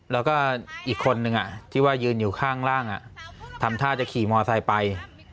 แล้วก็อีกคนนึงที่ว่ายืนอยู่ข้างล่างทำท่าจะขี่มอไซค์ไป